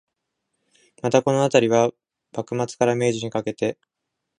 また、このあたりは、幕末から明治にかけて